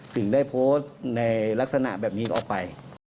ถึงได้โพสต์ในลักษณะแบบนี้ออกไป